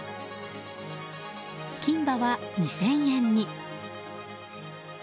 金歯は２０００円に。